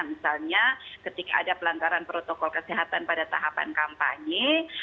misalnya ketika ada pelanggaran protokol kesehatan pada tahapan kampanye